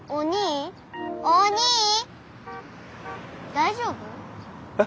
大丈夫？え？